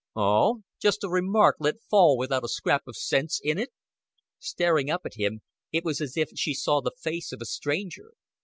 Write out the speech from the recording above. "Oh! Just a remark let fall without a scrap o' sense in it!" Staring up at him, it was as if she saw the face of a stranger.